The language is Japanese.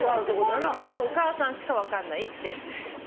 ホントはお母さんしか分かんないって言ってます。